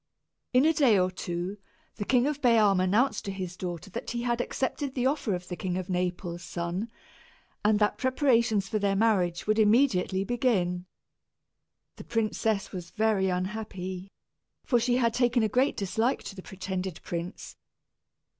In a day or two, the King of Bealm announced to his daughter that he had accepted the offer of the King of Naples' son, and that preparations for their marriage would immediately begin. The princess was very unhappy, for she had taken a great dislike to the pretended prince.